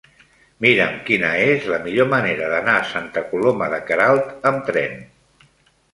Mira'm quina és la millor manera d'anar a Santa Coloma de Queralt amb tren.